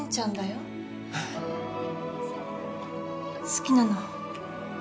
好きなの。